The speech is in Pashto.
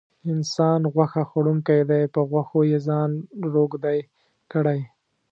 انسان غوښه خوړونکی دی په غوښو یې ځان روږدی کړی.